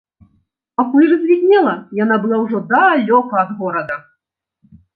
Пакуль развіднела, яна была ўжо далёка ад горада.